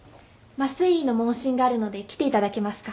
麻酔医の問診があるので来ていただけますか。